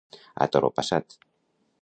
A toro passat.